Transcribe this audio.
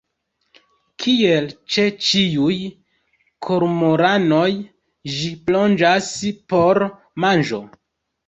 Kiel ĉe ĉiuj kormoranoj ĝi plonĝas por manĝo.